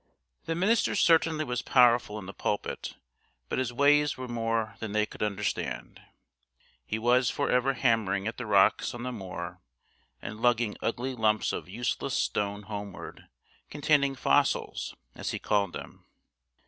The minister certainly was powerful in the pulpit, but his ways were more than they could understand. He was for ever hammering at the rocks on the moor and lugging ugly lumps of useless stone homeward, containing "fossils" as he called them.